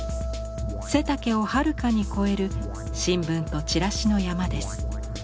背丈をはるかに超える新聞とチラシの山です。